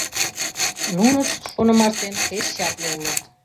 Нунышт, шонымаштем, пеш чапле улыт.